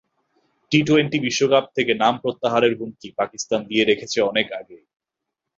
T twenty বিশ্বকাপ থেকে নাম প্রত্যাহারের হুমকি পাকিস্তান দিয়ে রেখেছে অনেক আগেই।